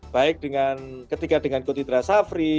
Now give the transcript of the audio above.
baik ketika dengan kut indra safri